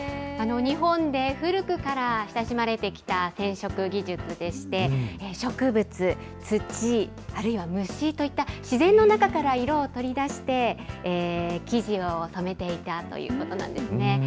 日本で古くから親しまれてきた染色技術でして、植物、土、あるいは虫といった、自然の中から色を取り出して、生地を染めていたということなんですね。